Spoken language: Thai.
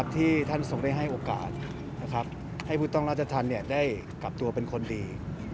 ที่ท่านทรงได้ให้โอกาสให้ผู้ต้องราชธรรมได้กลับตัวเป็นคนดี